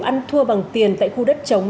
ăn thua bằng tiền tại khu đất trống